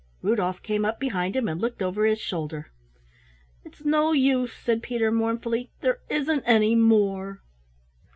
Rudolf came up behind him and looked over his shoulder. "It's no use," said Peter mournfully, "there isn't any more."